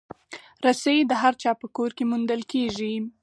رسۍ د هر چا په کور کې موندل کېږي.